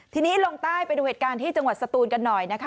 ทีนี้ลงใต้ไปดูเหตุการณ์ที่จังหวัดสตูนกันหน่อยนะคะ